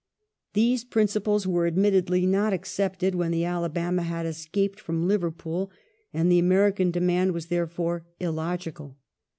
Those principles were admittedly not accepted when the Alabama had escaped from Liverpool, and the American demand was, therefore, illogical.